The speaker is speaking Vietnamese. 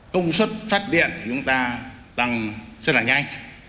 công suất phát điện của chúng ta tăng rất là nhanh